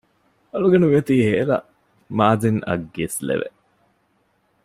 އަޅުގަނޑު މިއޮތީ ހޭލާ މާޒިން އަށް ގިސްލެވެ